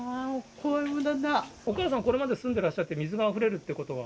お母さん、これまで住んでらっしゃって、水があふれるということは？